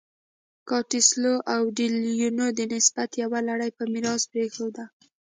کاسټیلو او ډي لیون د نسب یوه لړۍ په میراث پرېښوده.